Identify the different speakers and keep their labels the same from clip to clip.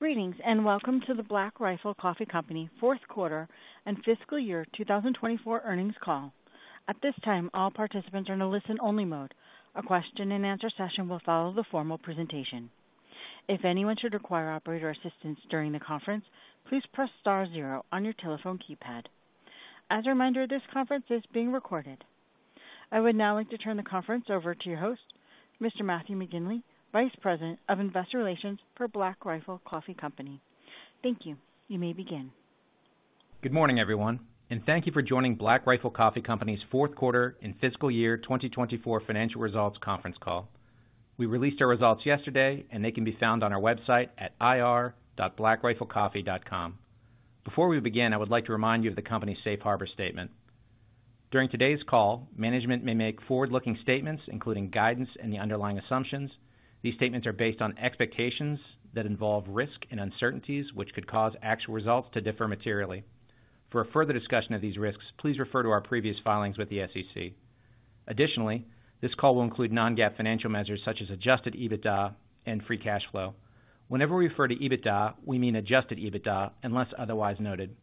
Speaker 1: Greetings and welcome to the Black Rifle Coffee Company Fourth Quarter and Fiscal Year 2024 earnings call. At this time, all participants are in a listen-only mode. A question-and-answer session will follow the formal presentation. If anyone should require operator assistance during the conference, please press star zero on your telephone keypad. As a reminder, this conference is being recorded. I would now like to turn the conference over to your host, Mr. Matthew McGinley, Vice President of Investor Relations for Black Rifle Coffee Company. Thank you. You may begin.
Speaker 2: Good morning, everyone, and thank you for joining Black Rifle Coffee Company's fourth quarter and fiscal year 2024 financial results conference call. We released our results yesterday, and they can be found on our website at ir.blackriflecoffee.com. Before we begin, I would like to remind you of the company's safe harbor statement. During today's call, management may make forward-looking statements, including guidance and the underlying assumptions. These statements are based on expectations that involve risk and uncertainties, which could cause actual results to differ materially. For further discussion of these risks, please refer to our previous filings with the SEC. Additionally, this call will include non-GAAP financial measures such as adjusted EBITDA and free cash flow. Whenever we refer to EBITDA, we mean adjusted EBITDA unless otherwise noted.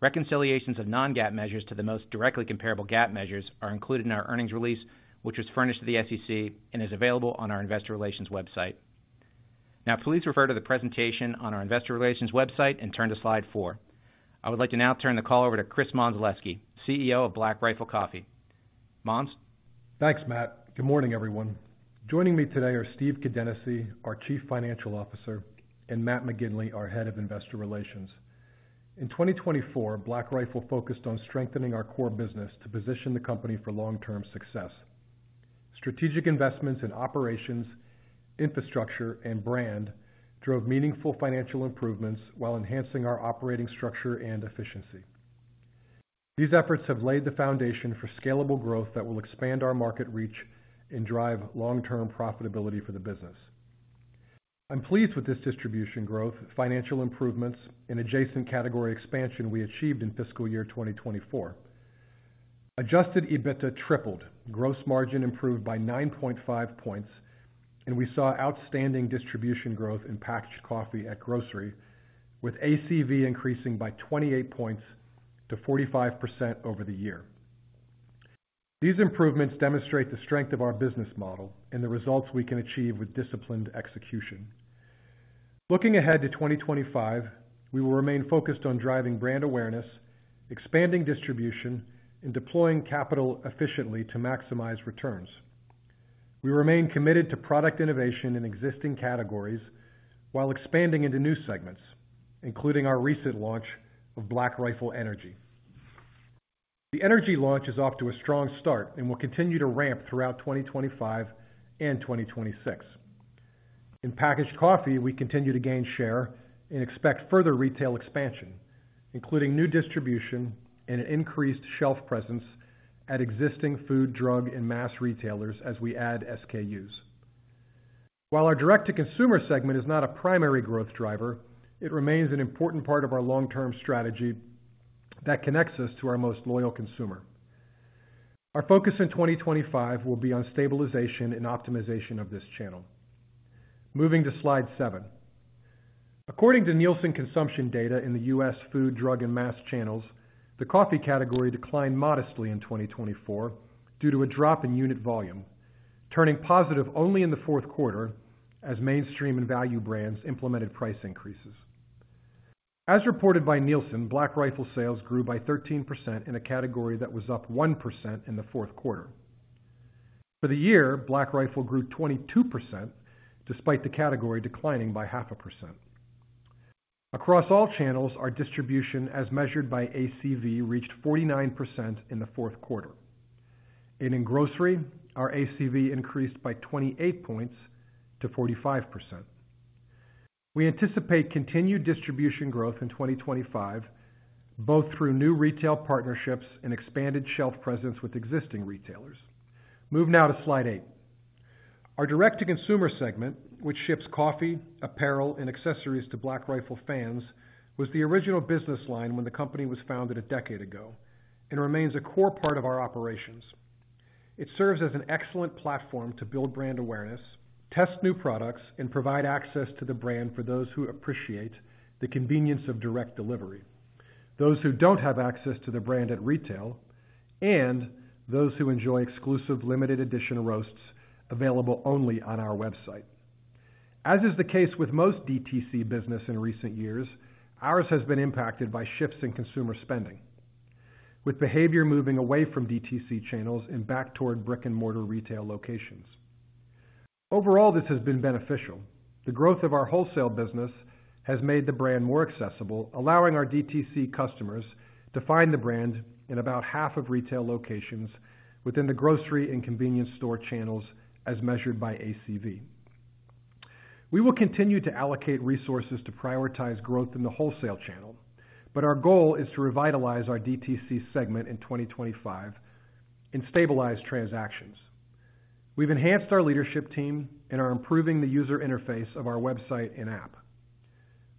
Speaker 2: Reconciliations of non-GAAP measures to the most directly comparable GAAP measures are included in our earnings release, which was furnished to the SEC and is available on our investor relations website. Now, please refer to the presentation on our investor relations website and turn to slide four. I would like to now turn the call over to Chris Mondzelewski, CEO of Black Rifle Coffee.
Speaker 3: Thanks, Matt. Good morning, everyone. Joining me today are Steve Kadenacy, our Chief Financial Officer, and Matt McGinley, our Head of Investor Relations. In 2024, Black Rifle focused on strengthening our core business to position the company for long-term success. Strategic investments in operations, infrastructure, and brand drove meaningful financial improvements while enhancing our operating structure and efficiency. These efforts have laid the foundation for scalable growth that will expand our market reach and drive long-term profitability for the business. I'm pleased with this distribution growth, financial improvements, and adjacent category expansion we achieved in fiscal year 2024. Adjusted EBITDA tripled, gross margin improved by 9.5 percentage points, and we saw outstanding distribution growth in packaged coffee at grocery, with ACV increasing by 28 percentage points to 45% over the year. These improvements demonstrate the strength of our business model and the results we can achieve with disciplined execution. Looking ahead to 2025, we will remain focused on driving brand awareness, expanding distribution, and deploying capital efficiently to maximize returns. We remain committed to product innovation in existing categories while expanding into new segments, including our recent launch of Black Rifle Energy. The energy launch is off to a strong start and will continue to ramp throughout 2025 and 2026. In packaged coffee, we continue to gain share and expect further retail expansion, including new distribution and an increased shelf presence at existing food, drug, and mass retailers as we add SKUs. While our direct-to-consumer segment is not a primary growth driver, it remains an important part of our long-term strategy that connects us to our most loyal consumer. Our focus in 2025 will be on stabilization and optimization of this channel. Moving to slide seven. According to Nielsen consumption data in the U.S. Food, Drug, and Mass channels, the coffee category declined modestly in 2024 due to a drop in unit volume, turning positive only in the fourth quarter as mainstream and value brands implemented price increases. As reported by Nielsen, Black Rifle sales grew by 13% in a category that was up 1% in the fourth quarter. For the year, Black Rifle grew 22% despite the category declining by half a percent. Across all channels, our distribution, as measured by ACV, reached 49% in the fourth quarter. In grocery, our ACV increased by 28 percentage points to 45%. We anticipate continued distribution growth in 2025, both through new retail partnerships and expanded shelf presence with existing retailers. Move now to slide eight. Our direct-to-consumer segment, which ships coffee, apparel, and accessories to Black Rifle fans, was the original business line when the company was founded a decade ago and remains a core part of our operations. It serves as an excellent platform to build brand awareness, test new products, and provide access to the brand for those who appreciate the convenience of direct delivery, those who don't have access to the brand at retail, and those who enjoy exclusive limited edition roasts available only on our website. As is the case with most DTC business in recent years, ours has been impacted by shifts in consumer spending, with behavior moving away from DTC channels and back toward brick-and-mortar retail locations. Overall, this has been beneficial. The growth of our wholesale business has made the brand more accessible, allowing our DTC customers to find the brand in about half of retail locations within the grocery and convenience store channels as measured by ACV. We will continue to allocate resources to prioritize growth in the wholesale channel, but our goal is to revitalize our DTC segment in 2025 and stabilize transactions. We've enhanced our leadership team and are improving the user interface of our website and app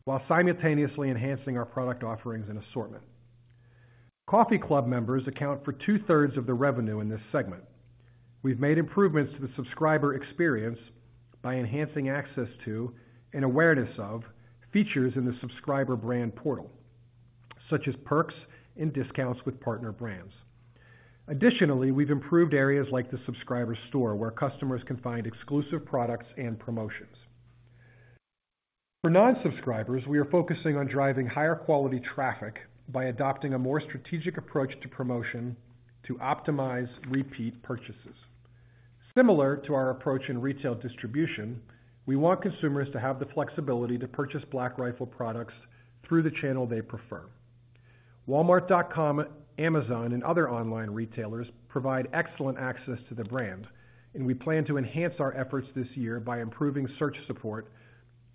Speaker 3: while simultaneously enhancing our product offerings and assortment. Coffee Club members account for two-thirds of the revenue in this segment. We've made improvements to the subscriber experience by enhancing access to and awareness of features in the subscriber brand portal, such as perks and discounts with partner brands. Additionally, we've improved areas like the subscriber store where customers can find exclusive products and promotions. For non-subscribers, we are focusing on driving higher quality traffic by adopting a more strategic approach to promotion to optimize repeat purchases. Similar to our approach in retail distribution, we want consumers to have the flexibility to purchase Black Rifle products through the channel they prefer. Walmart.com, Amazon, and other online retailers provide excellent access to the brand, and we plan to enhance our efforts this year by improving search support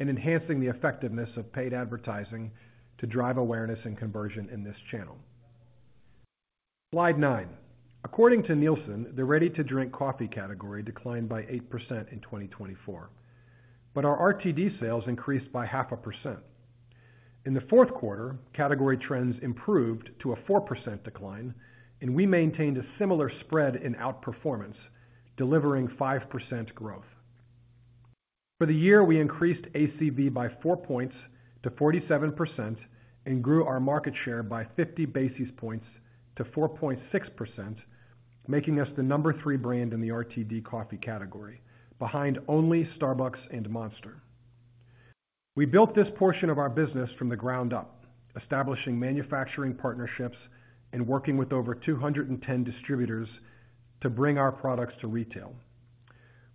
Speaker 3: and enhancing the effectiveness of paid advertising to drive awareness and conversion in this channel. Slide nine. According to Nielsen, the ready-to-drink coffee category declined by 8% in 2024, but our RTD sales increased by 0.5%. In the fourth quarter, category trends improved to a 4% decline, and we maintained a similar spread in outperformance, delivering 5% growth. For the year, we increased ACV by 4 points to 47% and grew our market share by 50 basis points to 4.6%, making us the number three brand in the RTD coffee category, behind only Starbucks and Monster. We built this portion of our business from the ground up, establishing manufacturing partnerships and working with over 210 distributors to bring our products to retail.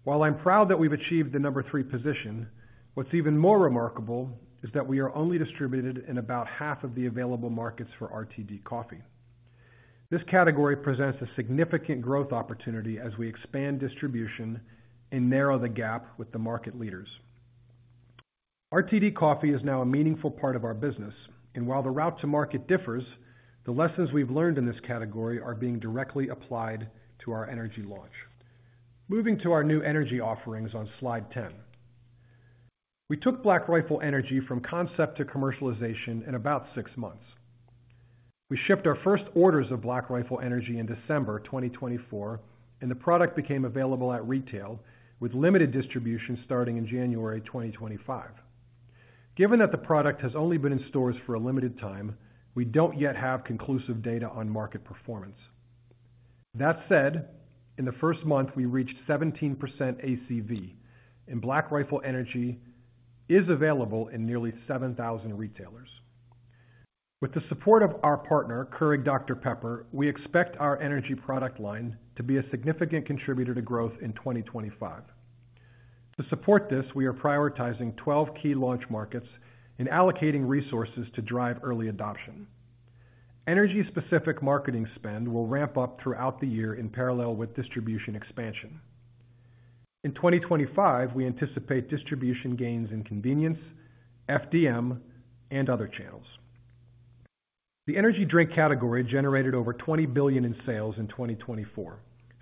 Speaker 3: While I'm proud that we've achieved the number three position, what's even more remarkable is that we are only distributed in about half of the available markets for RTD coffee. This category presents a significant growth opportunity as we expand distribution and narrow the gap with the market leaders. RTD coffee is now a meaningful part of our business, and while the route to market differs, the lessons we've learned in this category are being directly applied to our energy launch. Moving to our new energy offerings on slide ten. We took Black Rifle Energy from concept to commercialization in about six months. We shipped our first orders of Black Rifle Energy in December 2024, and the product became available at retail with limited distribution starting in January 2025. Given that the product has only been in stores for a limited time, we do not yet have conclusive data on market performance. That said, in the first month, we reached 17% ACV, and Black Rifle Energy is available in nearly 7,000 retailers. With the support of our partner, Keurig Dr Pepper, we expect our energy product line to be a significant contributor to growth in 2025. To support this, we are prioritizing 12 key launch markets and allocating resources to drive early adoption. Energy-specific marketing spend will ramp up throughout the year in parallel with distribution expansion. In 2025, we anticipate distribution gains in convenience, FDM, and other channels. The energy drink category generated over $20 billion in sales in 2024,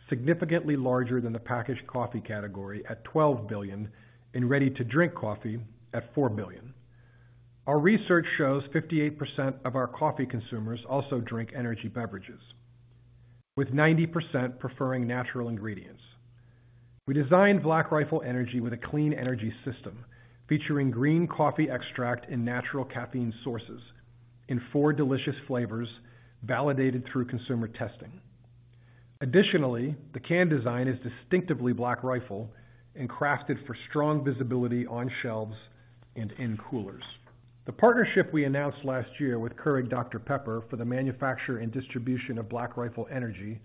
Speaker 3: significantly larger than the packaged coffee category at $12 billion and ready-to-drink coffee at $4 billion. Our research shows 58% of our coffee consumers also drink energy beverages, with 90% preferring natural ingredients. We designed Black Rifle Energy with a clean energy system featuring green coffee extract and natural caffeine sources in four delicious flavors validated through consumer testing. Additionally, the can design is distinctively Black Rifle and crafted for strong visibility on shelves and in coolers. The partnership we announced last year with Keurig Dr Pepper for the manufacture and distribution of Black Rifle Energy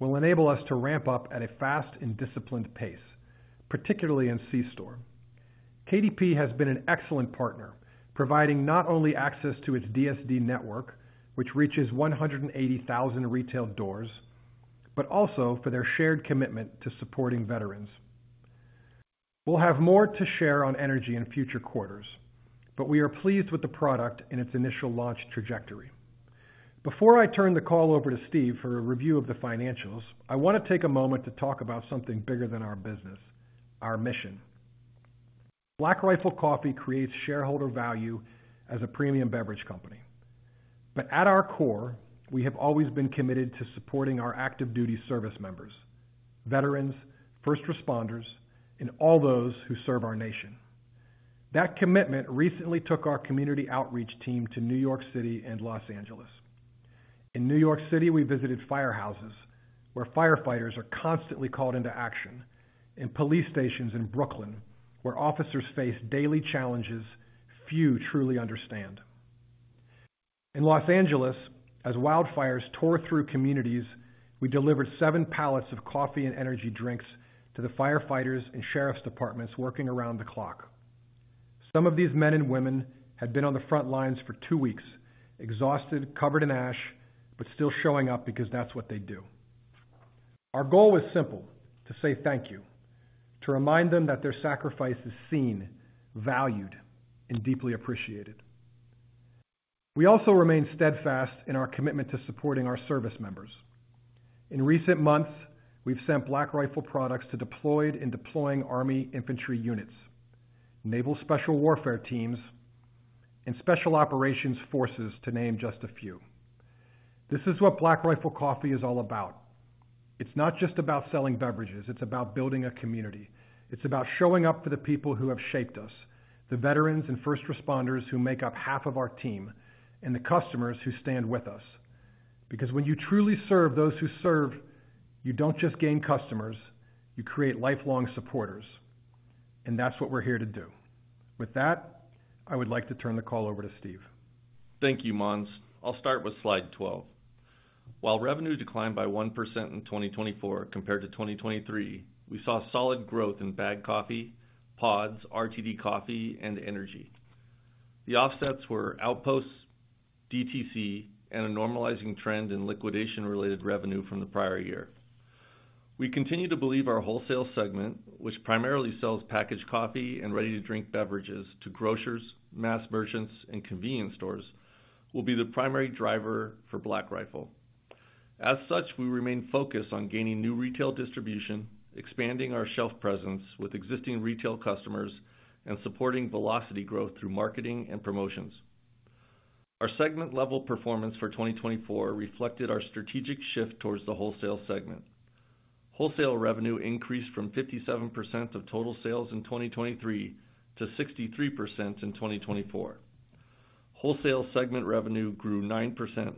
Speaker 3: will enable us to ramp up at a fast and disciplined pace, particularly in C-Store. KDP has been an excellent partner, providing not only access to its DSD network, which reaches 180,000 retail doors, but also for their shared commitment to supporting veterans. We will have more to share on energy in future quarters, but we are pleased with the product and its initial launch trajectory. Before I turn the call over to Steve for a review of the financials, I want to take a moment to talk about something bigger than our business, our mission. Black Rifle Coffee creates shareholder value as a premium beverage company. At our core, we have always been committed to supporting our active duty service members, veterans, first responders, and all those who serve our nation. That commitment recently took our community outreach team to New York City and Los Angeles. In New York City, we visited firehouses where firefighters are constantly called into action, and police stations in Brooklyn where officers face daily challenges few truly understand. In Los Angeles, as wildfires tore through communities, we delivered seven pallets of coffee and energy drinks to the firefighters and sheriff's departments working around the clock. Some of these men and women had been on the front lines for two weeks, exhausted, covered in ash, but still showing up because that's what they do. Our goal was simple: to say thank you, to remind them that their sacrifice is seen, valued, and deeply appreciated. We also remain steadfast in our commitment to supporting our service members. In recent months, we've sent Black Rifle products to deployed and deploying Army infantry units, Naval Special Warfare teams, and special operations forces, to name just a few. This is what Black Rifle Coffee is all about. It's not just about selling beverages. It's about building a community. It's about showing up for the people who have shaped us, the veterans and first responders who make up half of our team, and the customers who stand with us. Because when you truly serve those who serve, you don't just gain customers; you create lifelong supporters. That's what we're here to do. With that, I would like to turn the call over to Steve. Thank you, Mons. I'll start with slide 12. While revenue declined by 1% in 2024 compared to 2023, we saw solid growth in bagged coffee, pods, RTD coffee, and energy. The offsets were Outposts, DTC, and a normalizing trend in liquidation-related revenue from the prior year.
Speaker 4: We continue to believe our wholesale segment, which primarily sells packaged coffee and ready-to-drink beverages to grocers, mass merchants, and convenience stores, will be the primary driver for Black Rifle. As such, we remain focused on gaining new retail distribution, expanding our shelf presence with existing retail customers, and supporting velocity growth through marketing and promotions. Our segment-level performance for 2024 reflected our strategic shift towards the wholesale segment. Wholesale revenue increased from 57% of total sales in 2023 to 63% in 2024. Wholesale segment revenue grew 9% in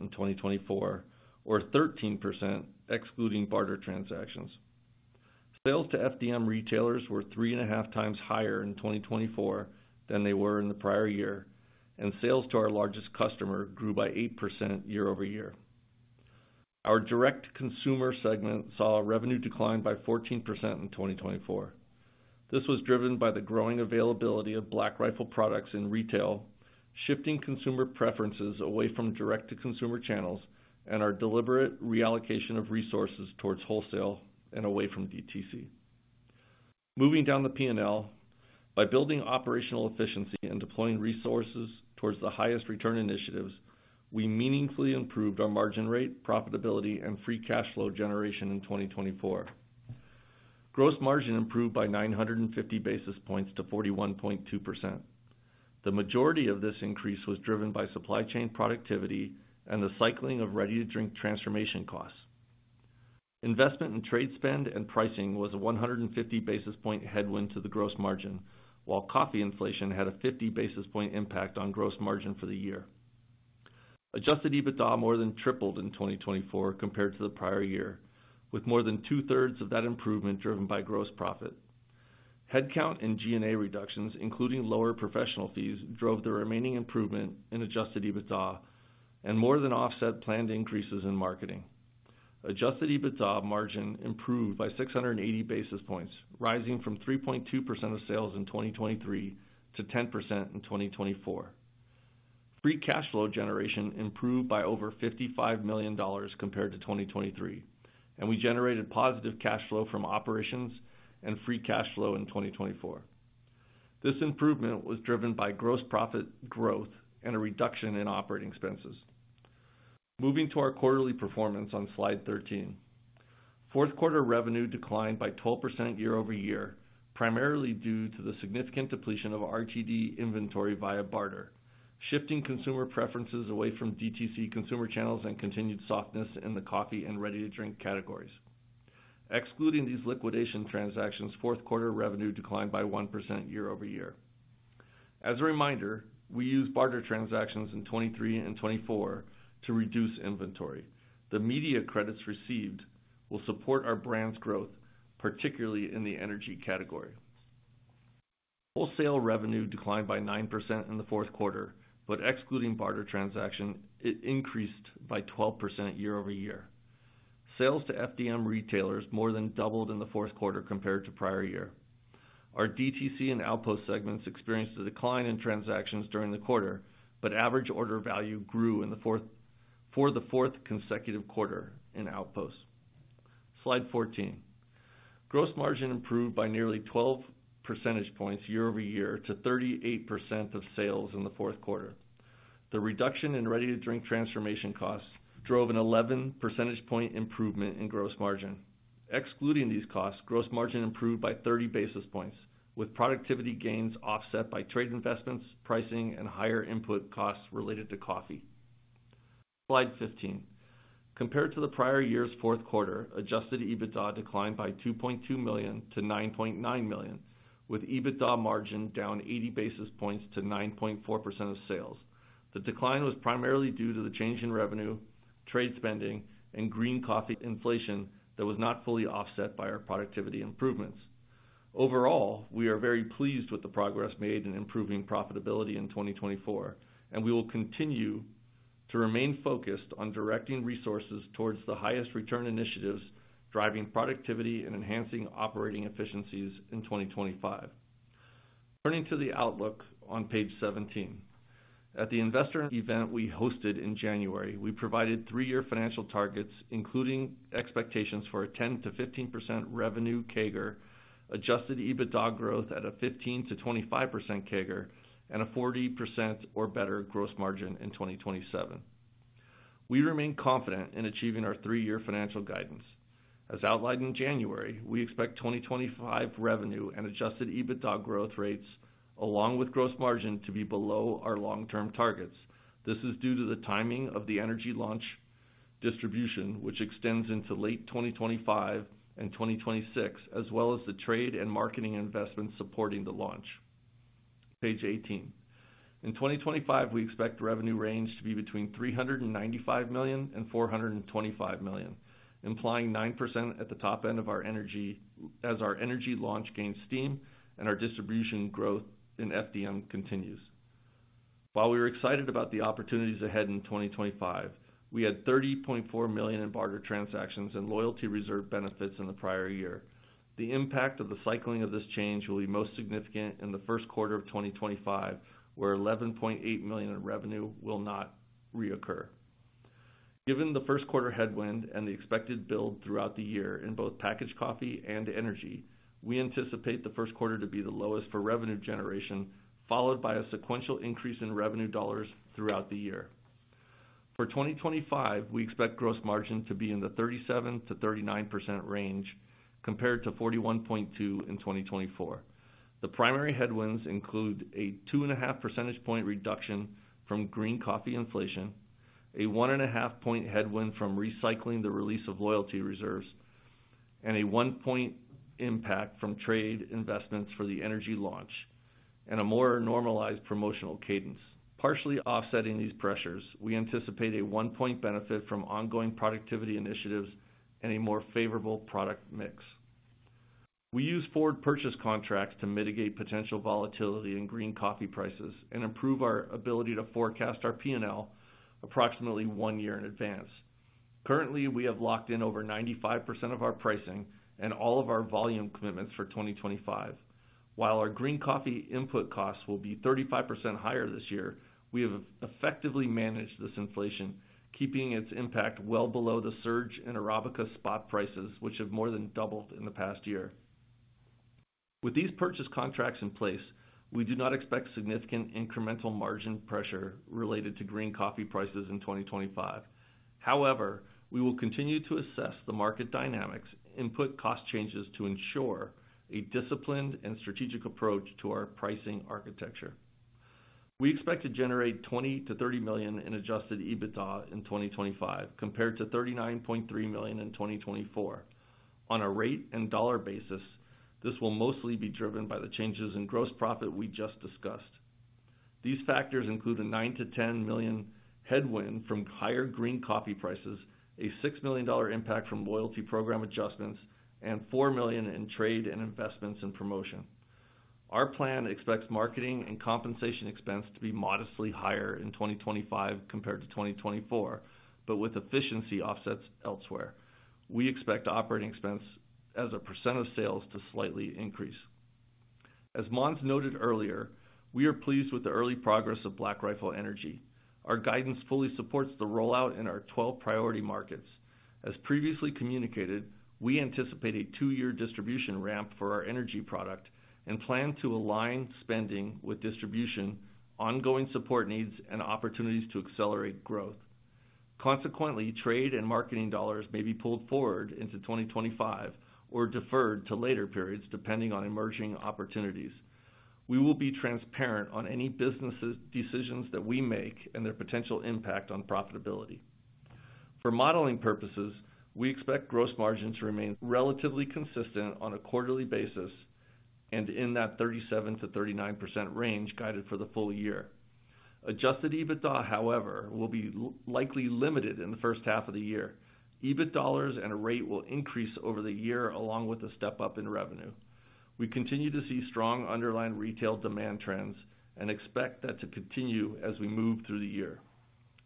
Speaker 4: 2024, or 13% excluding barter transactions. Sales to FDM retailers were three and a half times higher in 2024 than they were in the prior year, and sales to our largest customer grew by 8% year-over-year. Our direct consumer segment saw a revenue decline by 14% in 2024. This was driven by the growing availability of Black Rifle products in retail, shifting consumer preferences away from direct-to-consumer channels and our deliberate reallocation of resources towards wholesale and away from DTC. Moving down the P&L, by building operational efficiency and deploying resources towards the highest return initiatives, we meaningfully improved our margin rate, profitability, and free cash flow generation in 2024. Gross margin improved by 950 basis points to 41.2%. The majority of this increase was driven by supply chain productivity and the cycling of ready-to-drink transformation costs. Investment in trade spend and pricing was a 150 basis point headwind to the gross margin, while coffee inflation had a 50 basis point impact on gross margin for the year. Adjusted EBITDA more than tripled in 2024 compared to the prior year, with more than two-thirds of that improvement driven by gross profit. Headcount and G&A reductions, including lower professional fees, drove the remaining improvement in adjusted EBITDA and more than offset planned increases in marketing. Adjusted EBITDA margin improved by 680 basis points, rising from 3.2% of sales in 2023 to 10% in 2024. Free cash flow generation improved by over $55 million compared to 2023, and we generated positive cash flow from operations and free cash flow in 2024. This improvement was driven by gross profit growth and a reduction in operating expenses. Moving to our quarterly performance on slide 13. Fourth quarter revenue declined by 12% year over year, primarily due to the significant depletion of RTD inventory via barter, shifting consumer preferences away from DTC consumer channels and continued softness in the coffee and ready-to-drink categories. Excluding these liquidation transactions, fourth quarter revenue declined by 1% year-over-year. As a reminder, we used barter transactions in 2023 and 2024 to reduce inventory. The media credits received will support our brand's growth, particularly in the energy category. Wholesale revenue declined by 9% in the fourth quarter, but excluding barter transactions, it increased by 12% year over year. Sales to FDM retailers more than doubled in the fourth quarter compared to prior year. Our DTC and outpost segments experienced a decline in transactions during the quarter, but average order value grew in the fourth consecutive quarter in Outposts. Slide 14. Gross margin improved by nearly 12 percentage points year-over-year to 38% of sales in the fourth quarter. The reduction in ready-to-drink transformation costs drove an 11 percentage point improvement in gross margin. Excluding these costs, gross margin improved by 30 basis points, with productivity gains offset by trade investments, pricing, and higher input costs related to coffee. Slide 15. Compared to the prior year's fourth quarter, adjusted EBITDA declined by $2.2 million to $9.9 million, with EBITDA margin down 80 basis points to 9.4% of sales. The decline was primarily due to the change in revenue, trade spending, and green coffee inflation that was not fully offset by our productivity improvements. Overall, we are very pleased with the progress made in improving profitability in 2024, and we will continue to remain focused on directing resources towards the highest return initiatives, driving productivity and enhancing operating efficiencies in 2025. Turning to the outlook on page 17. At the investor event we hosted in January, we provided three-year financial targets, including expectations for a 10%-15% revenue CAGR, adjusted EBITDA growth at a 15%-25% CAGR, and a 40% or better gross margin in 2027. We remain confident in achieving our three-year financial guidance. As outlined in January, we expect 2025 revenue and adjusted EBITDA growth rates, along with gross margin, to be below our long-term targets. This is due to the timing of the energy launch distribution, which extends into late 2025 and 2026, as well as the trade and marketing investments supporting the launch. Page 18. In 2025, we expect the revenue range to be between $395 million and $425 million, implying 9% at the top end of our energy as our energy launch gains steam and our distribution growth in FDM continues. While we were excited about the opportunities ahead in 2025, we had $30.4 million in barter transactions and loyalty reserve benefits in the prior year. The impact of the cycling of this change will be most significant in the first quarter of 2025, where $11.8 million in revenue will not reoccur. Given the first quarter headwind and the expected build throughout the year in both packaged coffee and energy, we anticipate the first quarter to be the lowest for revenue generation, followed by a sequential increase in revenue dollars throughout the year. For 2025, we expect gross margin to be in the 37%-39% range compared to 41.2% in 2024. The primary headwinds include 2.5 percentage point reduction from green coffee inflation, a 1.5 headwind from recycling the release of loyalty reserves, and a one point impact from trade investments for the energy launch, and a more normalized promotional cadence. Partially offsetting these pressures, we anticipate a one point benefit from ongoing productivity initiatives and a more favorable product mix. We use forward purchase contracts to mitigate potential volatility in green coffee prices and improve our ability to forecast our P&L approximately one year in advance. Currently, we have locked in over 95% of our pricing and all of our volume commitments for 2025. While our green coffee input costs will be 35% higher this year, we have effectively managed this inflation, keeping its impact well below the surge in Arabica spot prices, which have more than doubled in the past year. With these purchase contracts in place, we do not expect significant incremental margin pressure related to green coffee prices in 2025. However, we will continue to assess the market dynamics and input cost changes to ensure a disciplined and strategic approach to our pricing architecture. We expect to generate $20 million-$30 million in adjusted EBITDA in 2025 compared to $39.3 million in 2024. On a rate and dollar basis, this will mostly be driven by the changes in gross profit we just discussed. These factors include a $9 million-$10 million headwind from higher green coffee prices, a $6 million impact from loyalty program adjustments, and $4 million in trade and investments and promotion. Our plan expects marketing and compensation expense to be modestly higher in 2025 compared to 2024, but with efficiency offsets elsewhere. We expect operating expense as a percent of sales to slightly increase. As Mons noted earlier, we are pleased with the early progress of Black Rifle Energy. Our guidance fully supports the rollout in our 12 priority markets. As previously communicated, we anticipate a two-year distribution ramp for our energy product and plan to align spending with distribution, ongoing support needs, and opportunities to accelerate growth. Consequently, trade and marketing dollars may be pulled forward into 2025 or deferred to later periods depending on emerging opportunities. We will be transparent on any business decisions that we make and their potential impact on profitability. For modeling purposes, we expect gross margin to remain relatively consistent on a quarterly basis and in that 37%-39% range guided for the full year. Adjusted EBITDA, however, will be likely limited in the first half of the year. EBIT dollars and a rate will increase over the year along with a step up in revenue. We continue to see strong underlying retail demand trends and expect that to continue as we move through the year.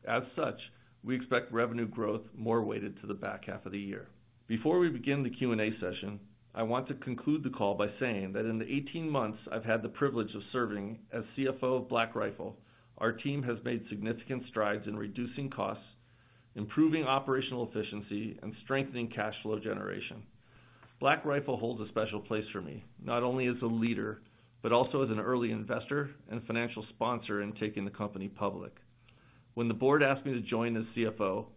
Speaker 4: As such, we expect revenue growth more weighted to the back half of the year. Before we begin the Q&A session, I want to conclude the call by saying that in the 18 months I've had the privilege of serving as CFO of Black Rifle, our team has made significant strides in reducing costs, improving operational efficiency, and strengthening cash flow generation. Black Rifle holds a special place for me, not only as a leader, but also as an early investor and financial sponsor in taking the company public. When the board asked me to join as CFO,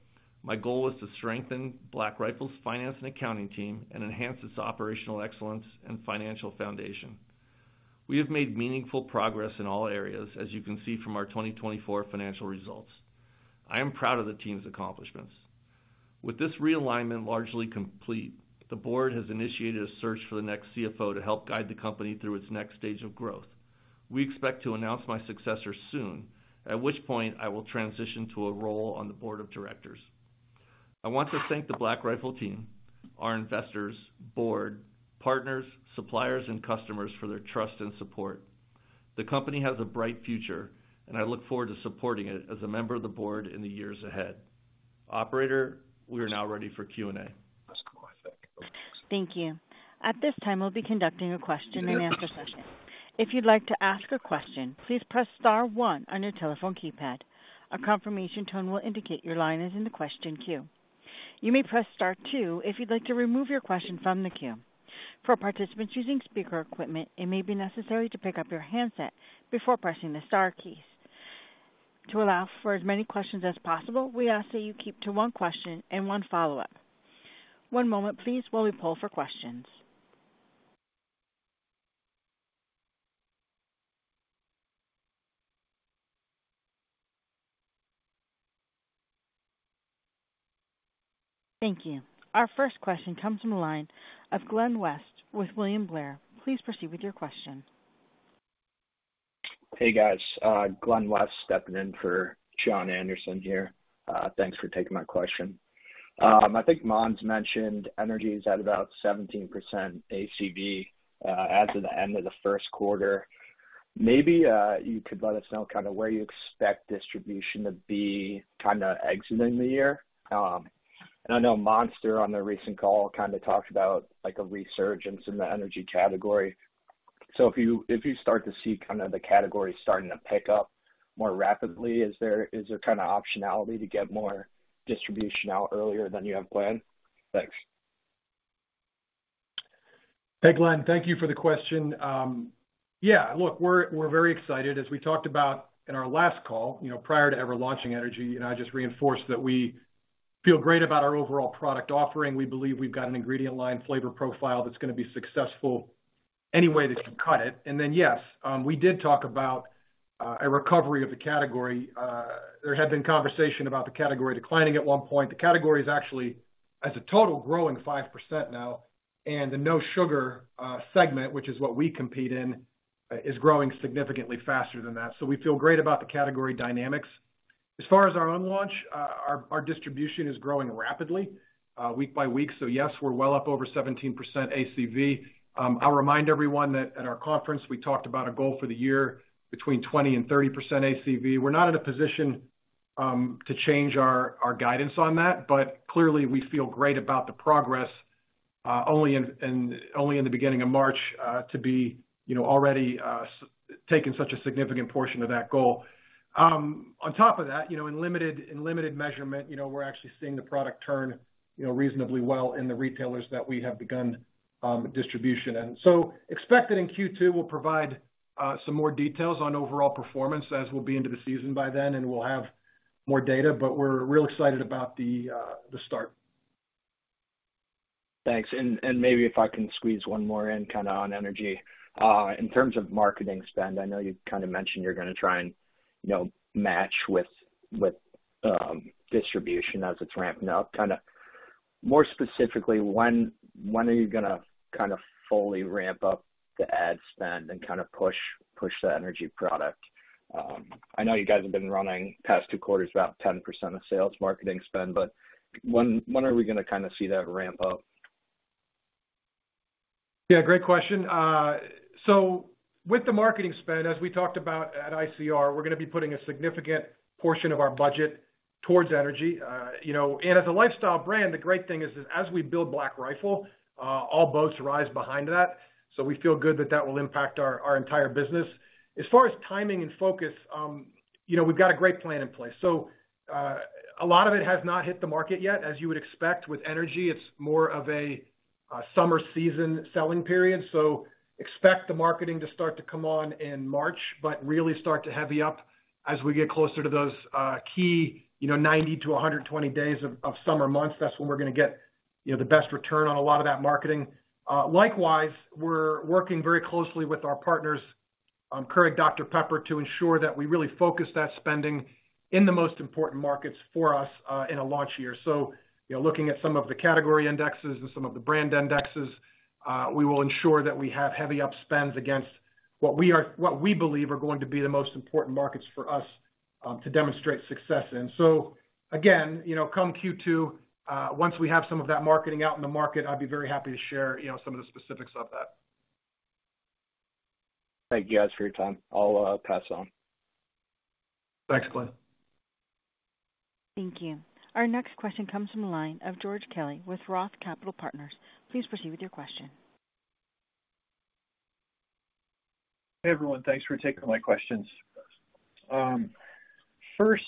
Speaker 4: my goal was to strengthen Black Rifle's finance and accounting team and enhance its operational excellence and financial foundation. We have made meaningful progress in all areas, as you can see from our 2024 financial results. I am proud of the team's accomplishments. With this realignment largely complete, the board has initiated a search for the next CFO to help guide the company through its next stage of growth. We expect to announce my successor soon, at which point I will transition to a role on the board of directors. I want to thank the Black Rifle team, our investors, board, partners, suppliers, and customers for their trust and support. The company has a bright future, and I look forward to supporting it as a member of the board in the years ahead. Operator, we are now ready for Q&A.
Speaker 1: Thank you. At this time, we'll be conducting a question and answer session. If you'd like to ask a question, please press star one on your telephone keypad. A confirmation tone will indicate your line is in the question queue. You may press star two if you'd like to remove your question from the queue. For participants using speaker equipment, it may be necessary to pick up your handset before pressing the star keys. To allow for as many questions as possible, we ask that you keep to one question and one follow-up. One moment, please, while we pull for questions. Thank you. Our first question comes from the line of Glen West with William Blair. Please proceed with your question.
Speaker 5: Hey, guys. Glen West stepping in for Jon Andersen here. Thanks for taking my question. I think Mons mentioned energy is at about 17% ACV as of the end of the first quarter. Maybe you could let us know kind of where you expect distribution to be kind of exiting the year. I know Mons threw on the recent call, kind of talked about like a resurgence in the energy category. If you start to see kind of the category starting to pick up more rapidly, is there kind of optionality to get more distribution out earlier than you have planned? Thanks.
Speaker 3: Hey, Glen, thank you for the question. Yeah, look, we're very excited. As we talked about in our last call, prior to ever launching energy, I just reinforced that we feel great about our overall product offering. We believe we've got an ingredient line flavor profile that's going to be successful any way that you cut it. Yes, we did talk about a recovery of the category. There had been conversation about the category declining at one point. The category is actually as a total growing 5% now. The no sugar segment, which is what we compete in, is growing significantly faster than that. We feel great about the category dynamics. As far as our own launch, our distribution is growing rapidly week by week. Yes, we're well up over 17% ACV. I'll remind everyone that at our conference, we talked about a goal for the year between 20% and 30% ACV. We're not in a position to change our guidance on that, but clearly we feel great about the progress only in the beginning of March to be already taking such a significant portion of that goal. On top of that, in limited measurement, we're actually seeing the product turn reasonably well in the retailers that we have begun distribution. Expected in Q2, we'll provide some more details on overall performance as we'll be into the season by then and we'll have more data, but we're real excited about the start.
Speaker 5: Thanks. Maybe if I can squeeze one more in kind of on energy. In terms of marketing spend, I know you kind of mentioned you're going to try and match with distribution as it's ramping up. More specifically, when are you going to fully ramp up the ad spend and push the energy product? I know you guys have been running past two quarters about 10% of sales marketing spend, but when are we going to see that ramp up?
Speaker 3: Great question. With the marketing spend, as we talked about at ICR, we're going to be putting a significant portion of our budget towards energy. As a lifestyle brand, the great thing is as we build Black Rifle, all boats rise behind that. We feel good that that will impact our entire business. As far as timing and focus, we've got a great plan in place. A lot of it has not hit the market yet. As you would expect with energy, it's more of a summer season selling period. Expect the marketing to start to come on in March, but really start to heavy up as we get closer to those key 90-120 days of summer months. That's when we're going to get the best return on a lot of that marketing. Likewise, we're working very closely with our partners, Keurig Dr Pepper, to ensure that we really focus that spending in the most important markets for us in a launch year. Looking at some of the category indexes and some of the brand indexes, we will ensure that we have heavy up spends against what we believe are going to be the most important markets for us to demonstrate success in. Again, come Q2, once we have some of that marketing out in the market, I'd be very happy to share some of the specifics of that.
Speaker 5: Thank you, guys, for your time. I'll pass on.
Speaker 3: Thanks, Glen.
Speaker 1: Thank you. Our next question comes from the line of George Kelly with Roth Capital Partners. Please proceed with your question.
Speaker 6: Hey, everyone. Thanks for taking my questions. First,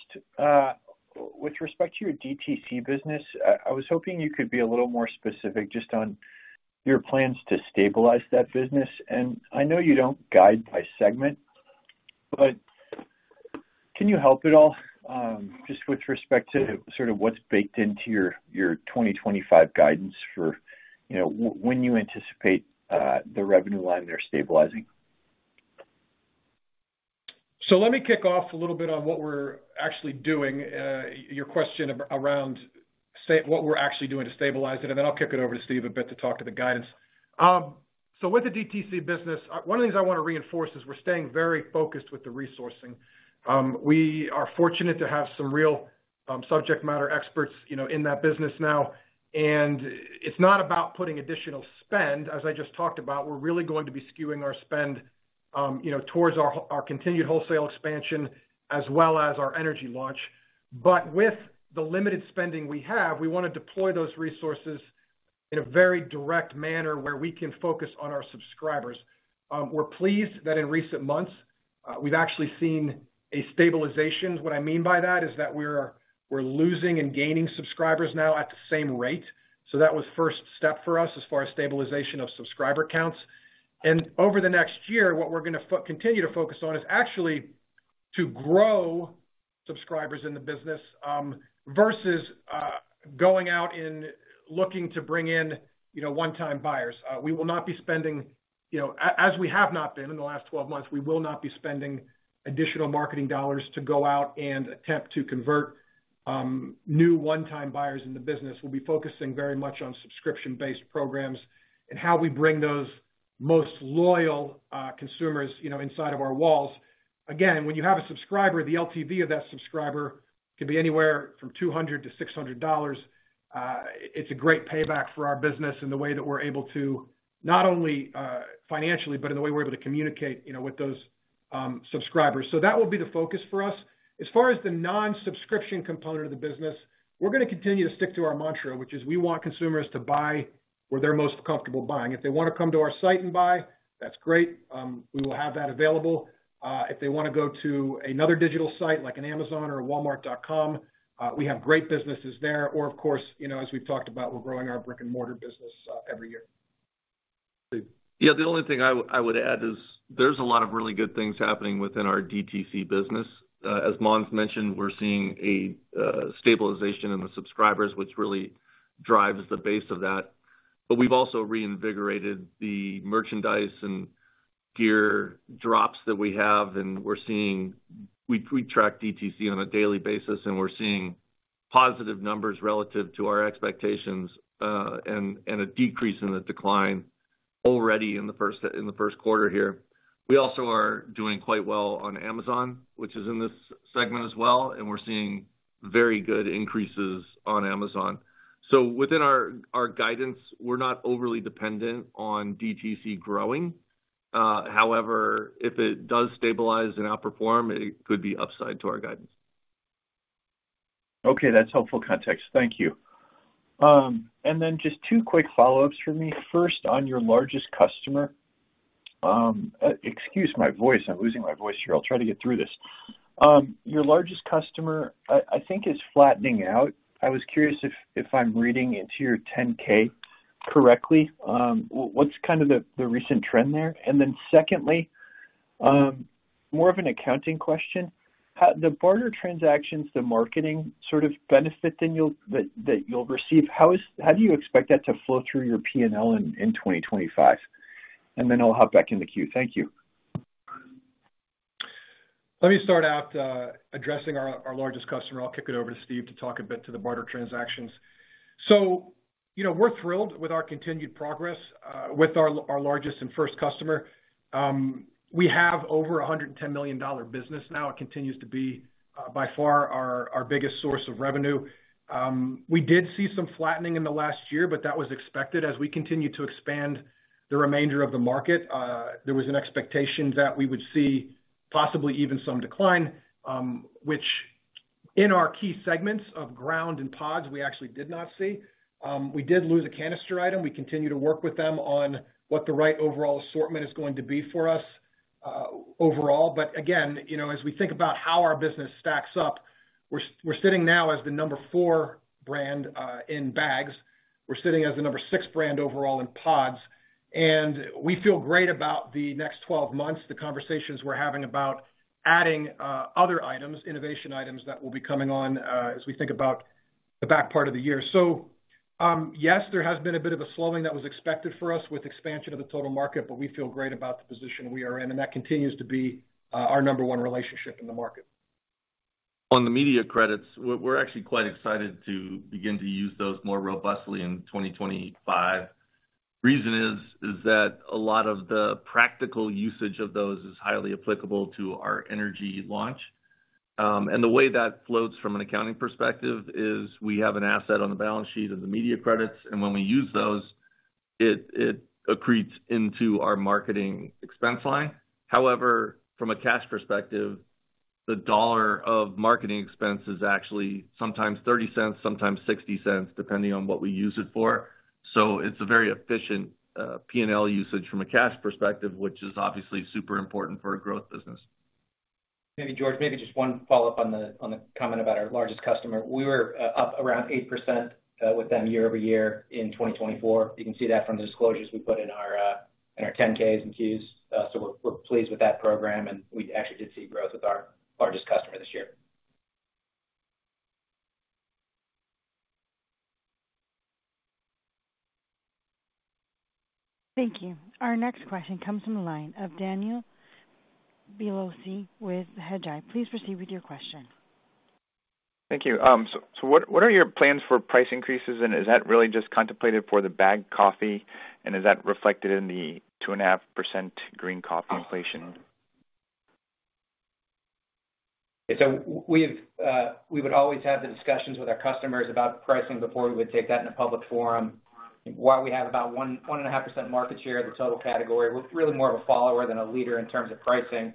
Speaker 6: with respect to your DTC business, I was hoping you could be a little more specific just on your plans to stabilize that business. I know you don't guide by segment, but can you help at all just with respect to sort of what's baked into your 2025 guidance for when you anticipate the revenue line there stabilizing?
Speaker 3: Let me kick off a little bit on what we're actually doing, your question around what we're actually doing to stabilize it, and then I'll kick it over to Steve a bit to talk to the guidance. With the DTC business, one of the things I want to reinforce is we're staying very focused with the resourcing. We are fortunate to have some real subject matter experts in that business now. It's not about putting additional spend. As I just talked about, we're really going to be skewing our spend towards our continued wholesale expansion as well as our energy launch. With the limited spending we have, we want to deploy those resources in a very direct manner where we can focus on our subscribers. We're pleased that in recent months, we've actually seen a stabilization. What I mean by that is that we're losing and gaining subscribers now at the same rate. That was the first step for us as far as stabilization of subscriber counts. Over the next year, what we're going to continue to focus on is actually to grow subscribers in the business versus going out and looking to bring in one-time buyers. We will not be spending, as we have not been in the last 12 months, we will not be spending additional marketing dollars to go out and attempt to convert new one-time buyers in the business. We'll be focusing very much on subscription-based programs and how we bring those most loyal consumers inside of our walls. Again, when you have a subscriber, the LTV of that subscriber can be anywhere from $200 to $600. It's a great payback for our business in the way that we're able to not only financially, but in the way we're able to communicate with those subscribers. That will be the focus for us. As far as the non-subscription component of the business, we're going to continue to stick to our mantra, which is we want consumers to buy where they're most comfortable buying. If they want to come to our site and buy, that's great. We will have that available. If they want to go to another digital site like an Amazon or a Walmart.com, we have great businesses there. Of course, as we've talked about, we're growing our brick-and-mortar business every year.
Speaker 4: The only thing I would add is there's a lot of really good things happening within our DTC business. As Mons mentioned, we're seeing a stabilization in the subscribers, which really drives the base of that. We've also reinvigorated the merchandise and gear drops that we have. We track DTC on a daily basis, and we're seeing positive numbers relative to our expectations and a decrease in the decline already in the first quarter here. We also are doing quite well on Amazon, which is in this segment as well. We're seeing very good increases on Amazon. Within our guidance, we're not overly dependent on DTC growing. However, if it does stabilize and outperform, it could be upside to our guidance.
Speaker 6: Okay, that's helpful context. Thank you. Just two quick follow-ups for me. First, on your largest customer. Excuse my voice. I'm losing my voice here. I'll try to get through this. Your largest customer, I think, is flattening out. I was curious if I'm reading into your 10K correctly. What's kind of the recent trend there? Secondly, more of an accounting question. The barter transactions, the marketing sort of benefit that you'll receive, how do you expect that to flow through your P&L in 2025? I'll hop back in the queue. Thank you.
Speaker 3: Let me start out addressing our largest customer. I'll kick it over to Steve to talk a bit to the barter transactions. We're thrilled with our continued progress with our largest and first customer. We have over a $110 million business now. It continues to be by far our biggest source of revenue. We did see some flattening in the last year, but that was expected as we continued to expand the remainder of the market. There was an expectation that we would see possibly even some decline, which in our key segments of ground and pods, we actually did not see. We did lose a canister item. We continue to work with them on what the right overall assortment is going to be for us overall. Again, as we think about how our business stacks up, we're sitting now as the number four brand in bags. We're sitting as the number six brand overall in pods. We feel great about the next 12 months, the conversations we're having about adding other items, innovation items that will be coming on as we think about the back part of the year. Yes, there has been a bit of a slowing that was expected for us with expansion of the total market, but we feel great about the position we are in. That continues to be our number one relationship in the market.
Speaker 4: On the media credits, we're actually quite excited to begin to use those more robustly in 2025. The reason is that a lot of the practical usage of those is highly applicable to our energy launch. The way that floats from an accounting perspective is we have an asset on the balance sheet of the media credits. When we use those, it accretes into our marketing expense line. However, from a cash perspective, the dollar of marketing expense is actually sometimes $0.30, sometimes $0.60, depending on what we use it for. It's a very efficient P&L usage from a cash perspective, which is obviously super important for a growth business.
Speaker 3: Maybe, George, maybe just one follow-up on the comment about our largest customer. We were up around 8% with them year-over-year in 2024. You can see that from the disclosures we put in our 10Ks and Qs. We're pleased with that program. We actually did see growth with our largest customer this year.
Speaker 1: Thank you. Our next question comes from the line of Daniel Biolsi with Hedgeye. Please proceed with your question.
Speaker 7: Thank you. What are your plans for price increases? Is that really just contemplated for the bagged coffee? Is that reflected in the 2.5% green coffee inflation?
Speaker 3: We would always have the discussions with our customers about pricing before we would take that in a public forum. While we have about 1.5% market share of the total category, we're really more of a follower than a leader in terms of pricing.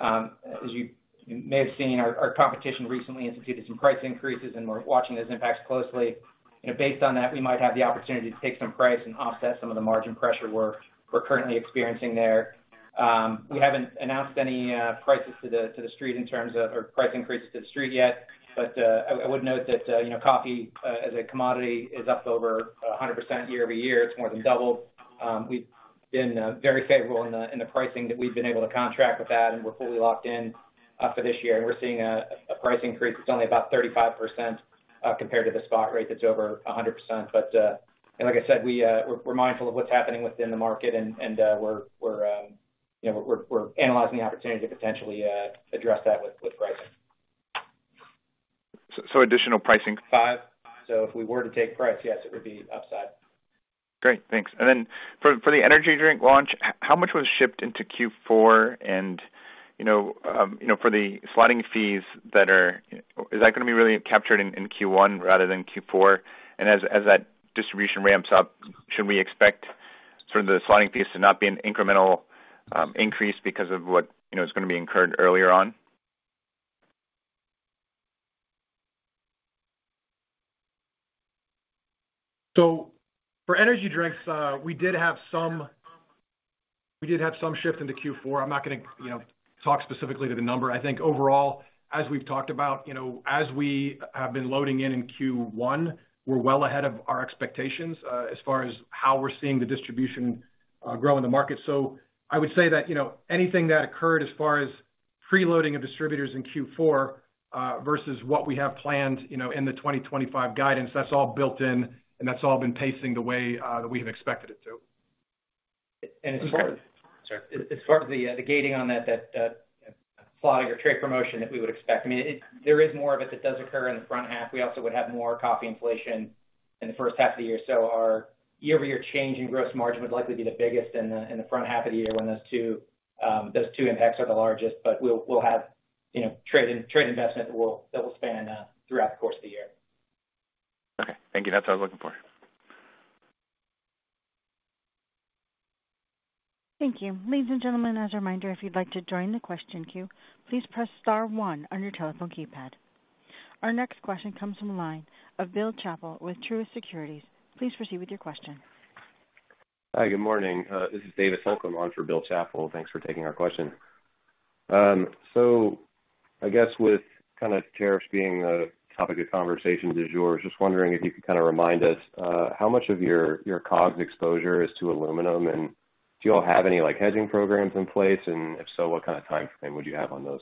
Speaker 3: As you may have seen, our competition recently instituted some price increases, and we're watching those impacts closely. Based on that, we might have the opportunity to take some price and offset some of the margin pressure we're currently experiencing there. We haven't announced any prices to the street in terms of price increases to the street yet. I would note that coffee as a commodity is up over 100% year over year. It's more than doubled. We've been very favorable in the pricing that we've been able to contract with that, and we're fully locked in for this year. We're seeing a price increase. It's only about 35% compared to the spot rate that's over 100%. Like I said, we're mindful of what's happening within the market, and we're analyzing the opportunity to potentially address that with pricing.
Speaker 7: Additional pricing. Five.
Speaker 3: If we were to take price, yes, it would be upside.
Speaker 7: Great. Thanks. For the energy drink launch, how much was shipped into Q4? For the slotting fees that are, is that going to be really captured in Q1 rather than Q4? As that distribution ramps up, should we expect sort of the slotting fees to not be an incremental increase because of what is going to be incurred earlier on?
Speaker 3: For energy drinks, we did have some shift into Q4. I'm not going to talk specifically to the number. I think overall, as we've talked about, as we have been loading in in Q1, we're well ahead of our expectations as far as how we're seeing the distribution grow in the market. I would say that anything that occurred as far as preloading of distributors in Q4 versus what we have planned in the 2025 guidance, that's all built in, and that's all been pacing the way that we have expected it to.
Speaker 4: As far as the gating on that, that sliding or trade promotion that we would expect, I mean, there is more of it that does occur in the front half. We also would have more coffee inflation in the first half of the year. Our year-over-year change in gross margin would likely be the biggest in the front half of the year when those two impacts are the largest. We'll have trade investment that will span throughout the course of the year.
Speaker 7: Okay. Thank you. That's what I was looking for.
Speaker 1: Thank you. Ladies and gentlemen, as a reminder, if you'd like to join the question queue, please press star one on your telephone keypad. Our next question comes from the line of Bill Chappell with Truist Securities. Please proceed with your question.
Speaker 8: Hi, good morning. This is David Sunkleman for Bill Chappell. Thanks for taking our question. I guess with kind of tariffs being the topic of conversation this year, I was just wondering if you could kind of remind us how much of your COGS exposure is to aluminum, and do you all have any hedging programs in place? If so, what kind of time frame would you have on those?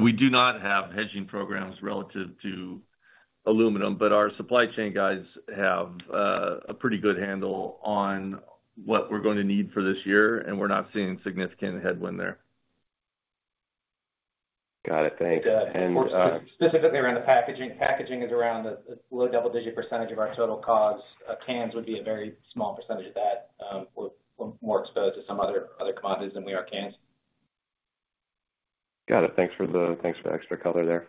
Speaker 3: We do not have hedging programs relative to aluminum, but our supply chain guys have a pretty good handle on what we're going to need for this year, and we're not seeing significant headwind there.
Speaker 9: Got it. Thanks.
Speaker 4: Specifically around the packaging, packaging is around a low double-digit % of our total COGS. Cans would be a very small % of that. We're more exposed to some other commodities than we are cans.
Speaker 8: Got it. Thanks for the extra color there.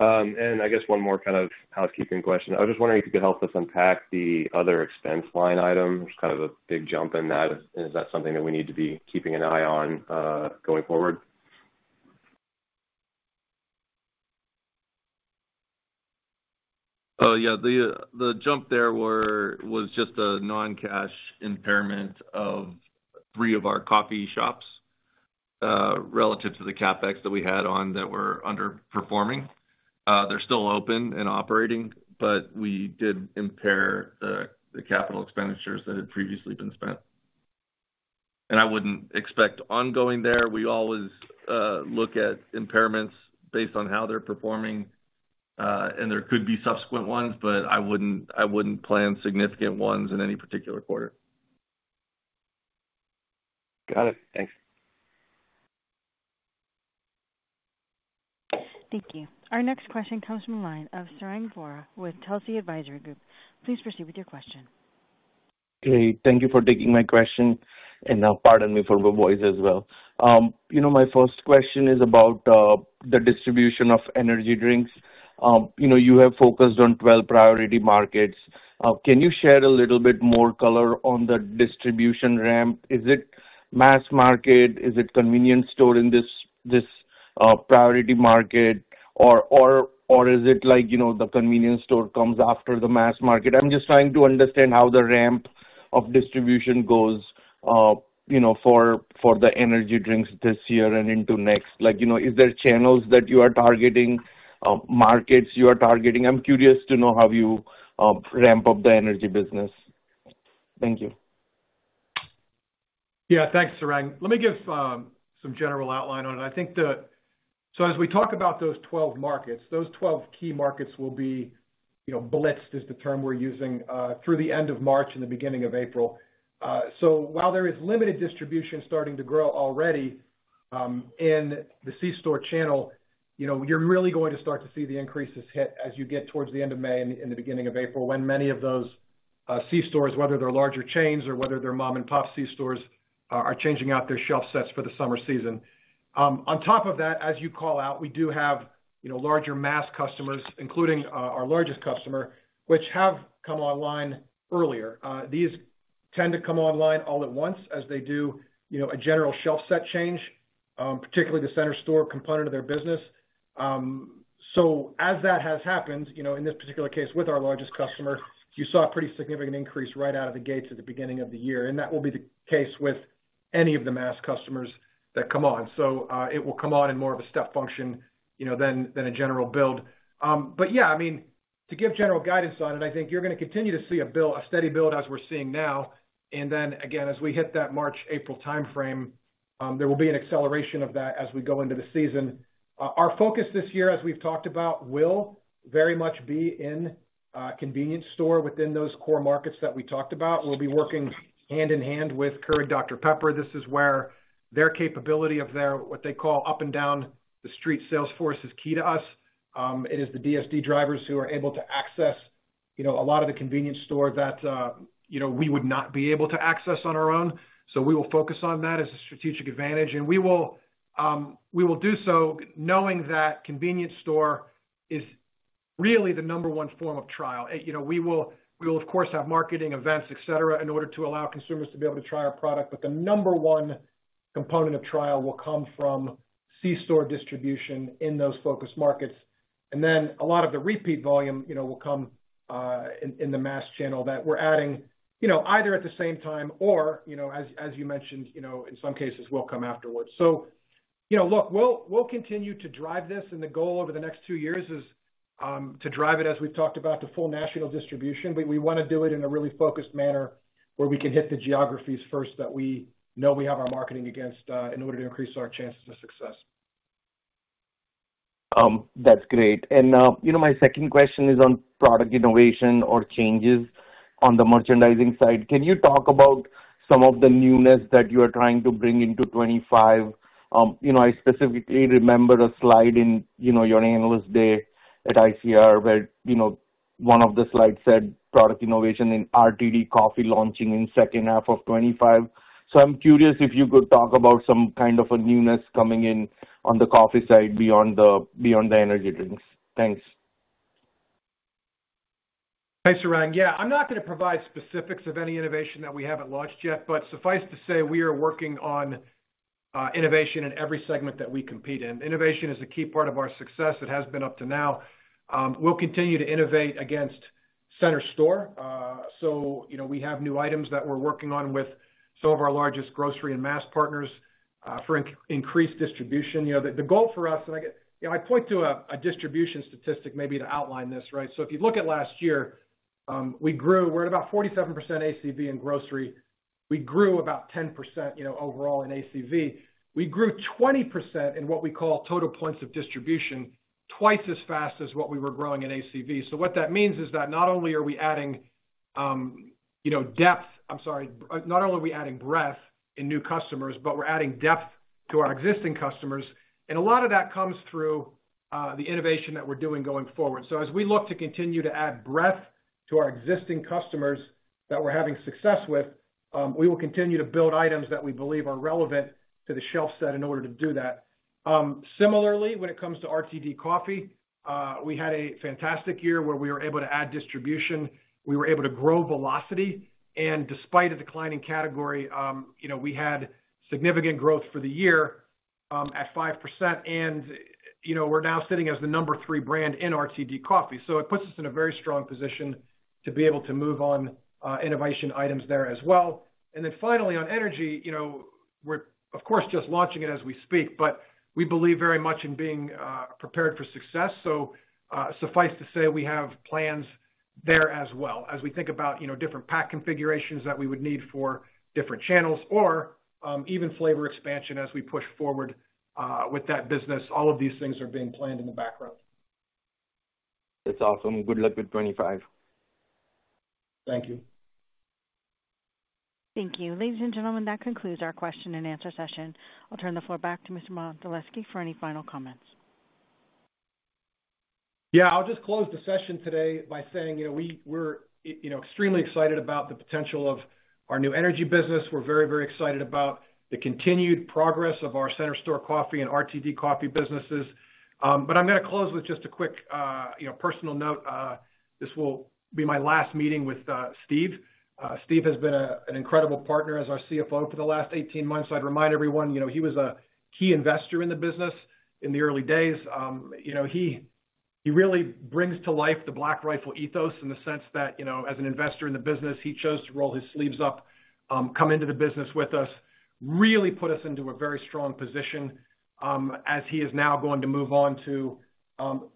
Speaker 8: I guess one more kind of housekeeping question. I was just wondering if you could help us unpack the other expense line item. There's kind of a big jump in that. Is that something that we need to be keeping an eye on going forward?
Speaker 3: Yeah. The jump there was just a non-cash impairment of three of our coffee shops relative to the CapEx that we had on that were underperforming. They're still open and operating, but we did impair the capital expenditures that had previously been spent. I wouldn't expect ongoing there. We always look at impairments based on how they're performing, and there could be subsequent ones, but I wouldn't plan significant ones in any particular quarter.
Speaker 8: Got it. Thanks.
Speaker 1: Thank you. Our next question comes from the line of Sarang Vora with Telsey Advisory Group. Please proceed with your question.
Speaker 10: Hey, thank you for taking my question. Now, pardon me for my voice as well. My first question is about the distribution of energy drinks. You have focused on 12 priority markets. Can you share a little bit more color on the distribution ramp? Is it mass market? Is it convenience store in this priority market? Or is it like the convenience store comes after the mass market? I'm just trying to understand how the ramp of distribution goes for the energy drinks this year and into next. Is there channels that you are targeting, markets you are targeting? I'm curious to know how you ramp up the energy business. Thank you.
Speaker 3: Yeah. Thanks, Sarang. Let me give some general outline on it. I think that as we talk about those 12 markets, those 12 key markets will be blitzed, is the term we're using, through the end of March and the beginning of April. While there is limited distribution starting to grow already in the C-store channel, you're really going to start to see the increases hit as you get towards the end of May and the beginning of April when many of those C-stores, whether they're larger chains or whether they're mom-and-pop C-stores, are changing out their shelf sets for the summer season. On top of that, as you call out, we do have larger mass customers, including our largest customer, which have come online earlier. These tend to come online all at once as they do a general shelf set change, particularly the center store component of their business. As that has happened, in this particular case with our largest customer, you saw a pretty significant increase right out of the gate at the beginning of the year. That will be the case with any of the mass customers that come on. It will come on in more of a step function than a general build. Yeah, I mean, to give general guidance on it, I think you're going to continue to see a steady build as we're seeing now. Then again, as we hit that March-April time frame, there will be an acceleration of that as we go into the season. Our focus this year, as we've talked about, will very much be in convenience store within those core markets that we talked about. We'll be working hand in hand with Keurig Dr Pepper. This is where their capability of their, what they call, up and down the street sales force is key to us. It is the DSD drivers who are able to access a lot of the convenience store that we would not be able to access on our own. We will focus on that as a strategic advantage. We will do so knowing that convenience store is really the number one form of trial. We will, of course, have marketing events, etc., in order to allow consumers to be able to try our product. The number one component of trial will come from C-store distribution in those focus markets. A lot of the repeat volume will come in the mass channel that we're adding either at the same time or, as you mentioned, in some cases, will come afterwards. We will continue to drive this. The goal over the next two years is to drive it, as we've talked about, to full national distribution. We want to do it in a really focused manner where we can hit the geographies first that we know we have our marketing against in order to increase our chances of success.
Speaker 10: That's great. My second question is on product innovation or changes on the merchandising side. Can you talk about some of the newness that you are trying to bring into 2025? I specifically remember a slide in your analyst day at ICR where one of the slides said product innovation in RTD coffee launching in the second half of 2025. I'm curious if you could talk about some kind of a newness coming in on the coffee side beyond the energy drinks. Thanks.
Speaker 3: Thanks, Sarang. Yeah. I'm not going to provide specifics of any innovation that we haven't launched yet, but suffice to say we are working on innovation in every segment that we compete in. Innovation is a key part of our success. It has been up to now. We'll continue to innovate against center store. We have new items that we're working on with some of our largest grocery and mass partners for increased distribution. The goal for us, and I point to a distribution statistic maybe to outline this, right? If you look at last year, we grew, we're at about 47% ACV in grocery. We grew about 10% overall in ACV. We grew 20% in what we call total points of distribution, twice as fast as what we were growing in ACV. What that means is that not only are we adding breadth in new customers, but we're adding depth to our existing customers. A lot of that comes through the innovation that we're doing going forward. As we look to continue to add breadth to our existing customers that we're having success with, we will continue to build items that we believe are relevant to the shelf set in order to do that. Similarly, when it comes to RTD coffee, we had a fantastic year where we were able to add distribution. We were able to grow velocity. Despite a declining category, we had significant growth for the year at 5%. We're now sitting as the number three brand in RTD coffee. It puts us in a very strong position to be able to move on innovation items there as well. Finally, on energy, we're, of course, just launching it as we speak, but we believe very much in being prepared for success. Suffice to say we have plans there as well as we think about different pack configurations that we would need for different channels or even flavor expansion as we push forward with that business. All of these things are being planned in the background.
Speaker 10: That's awesome. Good luck with 2025.
Speaker 3: Thank you.
Speaker 1: Thank you. Ladies and gentlemen, that concludes our question and answer session. I'll turn the floor back to Mr. Mondzelewski for any final comments.
Speaker 3: Yeah. I'll just close the session today by saying we're extremely excited about the potential of our new energy business. We're very, very excited about the continued progress of our center store coffee and RTD coffee businesses. I'm going to close with just a quick personal note. This will be my last meeting with Steve. Steve has been an incredible partner as our CFO for the last 18 months. I'd remind everyone he was a key investor in the business in the early days. He really brings to life the Black Rifle ethos in the sense that as an investor in the business, he chose to roll his sleeves up, come into the business with us, really put us into a very strong position as he is now going to move on to,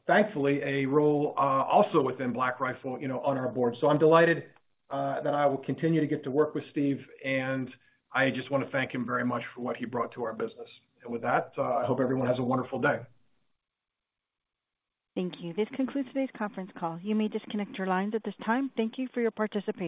Speaker 3: thankfully, a role also within Black Rifle on our board. I'm delighted that I will continue to get to work with Steve, and I just want to thank him very much for what he brought to our business. With that, I hope everyone has a wonderful day.
Speaker 1: Thank you. This concludes today's conference call. You may disconnect your lines at this time. Thank you for your participation.